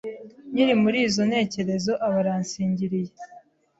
Nkiri muri izo ntekerezo aba aransingiriye